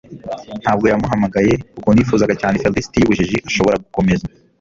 ntabwo yamuhamagaye. ukuntu yifuzaga cyane felicity yubujiji. ashobora gukomeza